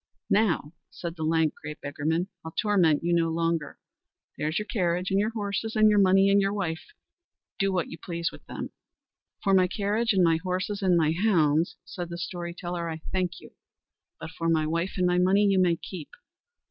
"Now," said the lank, grey beggarman, "I'll torment you no longer. There's your carriage and your horses, and your money and your wife: do what you please with them." "For my carriage and my horses and my hounds," said the story teller, "I thank you; but my wife and my money you may keep."